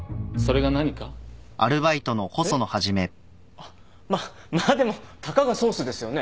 あっまあまあでもたかがソースですよね？